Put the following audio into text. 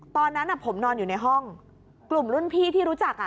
ตอนนั้นผมนอนอยู่ในห้องกลุ่มรุ่นพี่ที่รู้จักอ่ะ